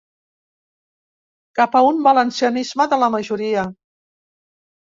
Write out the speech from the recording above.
Cap a un valencianisme de la majoria.